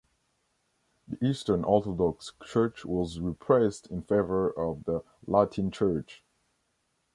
The Eastern Orthodox Church was repressed in favour of the Latin Church.